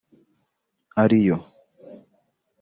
ari yo